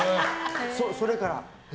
それから。